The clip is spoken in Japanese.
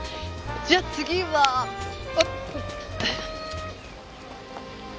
じゃあ次はおっと。